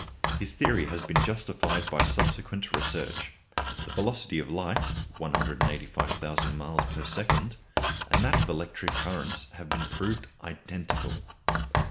His theory has been justified by subsequent research. The velocity of light (185,000 miles per second) and that of electric currents have been proved identical.